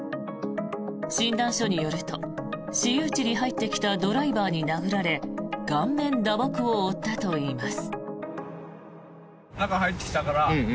診断書によると私有地に入ってきたドライバーに殴られ顔面打撲を負ったといいます。